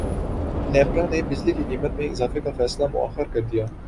نیپرا نے بجلی کی قیمت میں اضافے کا فیصلہ موخر کردیا